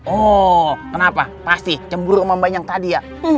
oh kenapa pasti cemburu sama mbak yang tadi ya